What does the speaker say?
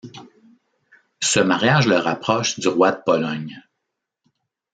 Ce mariage le rapproche du roi de Pologne.